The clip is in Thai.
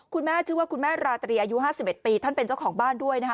คุณแม่ชื่อว่าคุณแม่ราตรีอายุ๕๑ปีท่านเป็นเจ้าของบ้านด้วยนะคะ